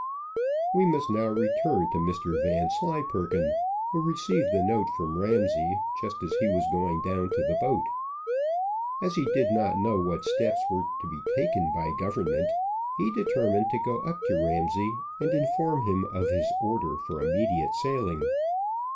We must now return to Mr Vanslyperken, who received the note from Ramsay, just as he was going down to the boat. As he did not know what steps were to be taken by government, he determined to go up to Ramsay, and inform him of his order for immediately sailing.